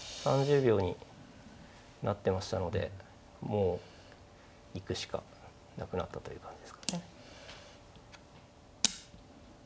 ３０秒になってましたのでもう行くしかなくなったという感じですかね。